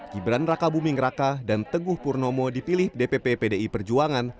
gibran raka buming raka dan teguh purnomo dipilih dpp pdi perjuangan